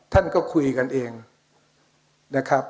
ท่านก็คุยกันเองนะครับ